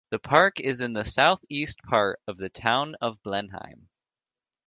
The park is in the southeast part of the Town of Blenheim.